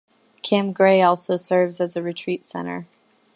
Camp Gray also serves as a retreat center.